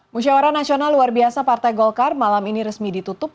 musyawara nasional luar biasa partai golkar malam ini resmi ditutup